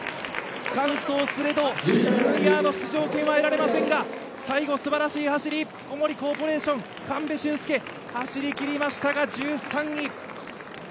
完走すれど、ニューイヤーの出場権は得られませんが最後すばらしい走り、小森コーポレーション神戸駿介、走りきりましたが１３位。